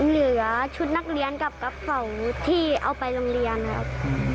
เหลือชุดนักเรียนกับกระเป๋าที่เอาไปโรงเรียนครับ